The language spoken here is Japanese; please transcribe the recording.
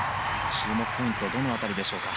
注目ポイントはどの辺りでしょうか。